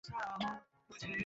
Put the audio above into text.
আপনার কিচ্ছু হবে না।